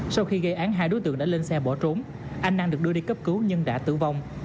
sau khi gây án hai đối tượng đã lên xe bỏ trốn anh năng được đưa đi cấp cứu nhưng đã tử vong